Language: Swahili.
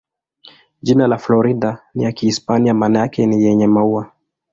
Jina la Florida ni ya Kihispania, maana yake ni "yenye maua".